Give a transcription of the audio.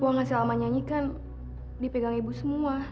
buangan si alman nyanyikan dipegang ibu semua